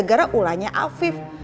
itu gara gara ulangnya afif